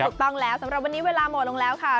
คุณผู้ชมต่องแล้วสำหรับวันนี้เวลาจบหมดแล้วค่ะ